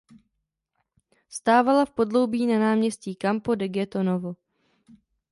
Stávala v podloubí na náměstí Campo de Ghetto Novo.